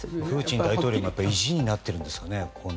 プーチン大統領が意地になってるんですかね。